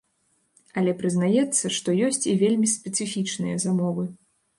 Але прызнаецца, што ёсць і вельмі спецыфічныя замовы.